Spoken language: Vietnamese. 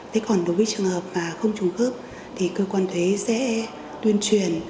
thế còn đối với trường hợp mà không trùng khớp thì cơ quan thuế sẽ tuyên truyền